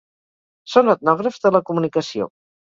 Són etnògrafs de la comunicació.